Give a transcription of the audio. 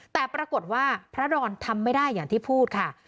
แต่ปรากฏว่าพระดอนทำไม่ได้อย่างที่พูดค่ะ